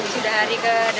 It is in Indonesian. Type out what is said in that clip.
sudah hari ke delapan